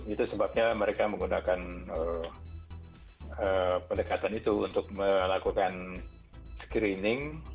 itu sebabnya mereka menggunakan pendekatan itu untuk melakukan screening